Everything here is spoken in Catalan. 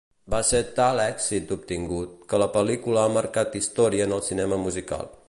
Va ser tal l'èxit obtingut, que la pel·lícula ha marcat història en el cinema musical.